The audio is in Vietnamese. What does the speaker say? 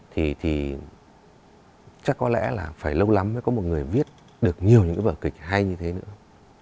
thì chắc có lẽ là phải lâu lắm mới có một người viết được nhiều những cái vở kịch hay như thế nữa